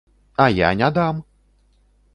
А я не дам!